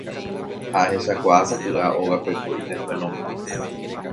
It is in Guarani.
ha ahechakuaa sapy'a óga pepo itejuelon-pa